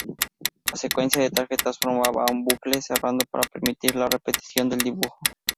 La secuencia de tarjetas formaba un bucle cerrado para permitir la repetición del dibujo.